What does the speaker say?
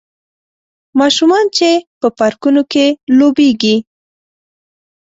ماشومان چې په پارکونو کې لوبیږي